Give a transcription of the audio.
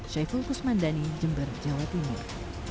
syaiful kusmandani jember jawa timur